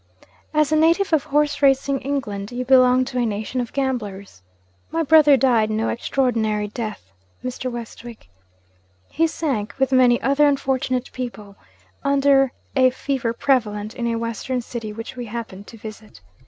'As a native of horse racing England, you belong to a nation of gamblers. My brother died no extraordinary death, Mr. Westwick. He sank, with many other unfortunate people, under a fever prevalent in a Western city which we happened to visit.